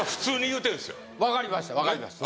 わかりましたわかりました